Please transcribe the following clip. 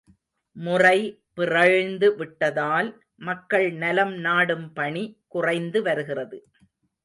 முறைபிறழ்ந்து விட்டதால் மக்கள் நலம் நாடும் பணி குறைந்து வருகிறது.